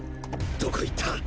どこ行った！？